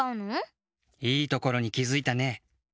いいところにきづいたね。